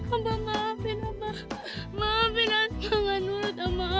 amba maafin amba maafin asma gak nurut sama amba amba